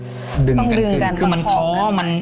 ต้องดึงกันคือมันท้อมัน